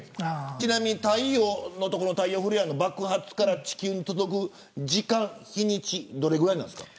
ちなみに太陽フレアの爆発から地球に届く時間、日にちどれぐらいなんですか。